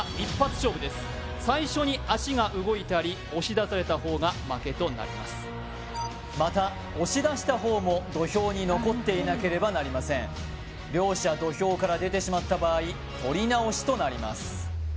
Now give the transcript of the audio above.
最初に足が動いたり押し出された方が負けとなりますまた押し出した方も土俵に残っていなければなりません両者土俵から出てしまった場合取り直しとなります